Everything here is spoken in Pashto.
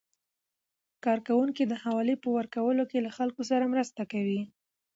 کارکوونکي د حوالې په ورکولو کې له خلکو سره مرسته کوي.